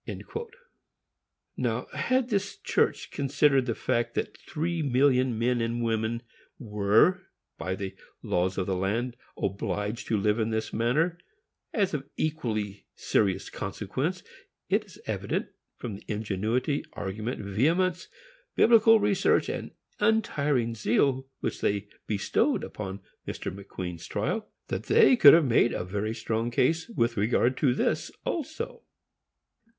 Now, had this church considered the fact that three million men and women were, by the laws of the land, obliged to live in this manner, as of equally serious consequence, it is evident, from the ingenuity, argument, vehemence, Biblical research, and untiring zeal, which they bestowed on Mr. McQueen's trial, that they could have made a very strong case with regard to this also.